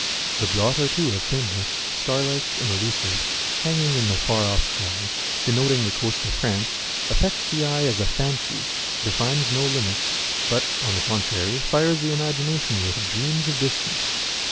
The blot or two of faint ness, star like and illusive, hanging in the far off sky, denoting the coast of France, affects the eye as a fancy, defines no limits, but, on the contrary, fires the imagina tion with dreams of distance.